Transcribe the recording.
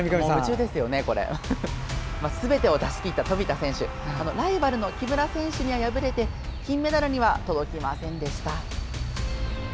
すべてを出し切った富田選手ライバルの木村選手に敗れて金メダルには届きませんでした。